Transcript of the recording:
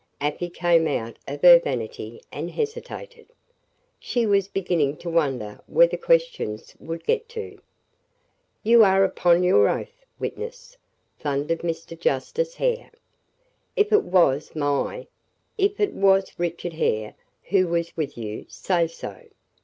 Afy came out of her vanity and hesitated. She was beginning to wonder where the questions would get to. "You are upon your oath, witness!" thundered Mr. Justice Hare. "If it was my if it was Richard Hare who was with you, say so.